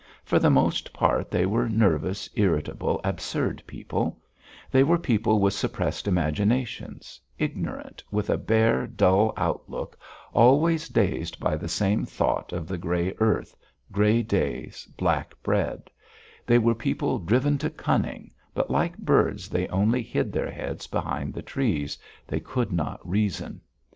For the most part, they were nervous, irritable, absurd people; they were people with suppressed imaginations, ignorant, with a bare, dull outlook, always dazed by the same thought of the grey earth, grey days, black bread; they were people driven to cunning, but, like birds, they only hid their heads behind the trees they could not reason.